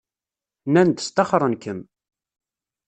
Nnan-d sṭaxren-kem.